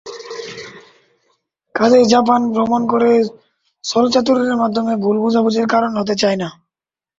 কাজেই জাপান ভ্রমণ করে ছলচাতুরীর মাধ্যমে ভুল বোঝাবুঝির কারণ হতে চাই না।